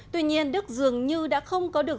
tuy nhiên đức dường như đã không có được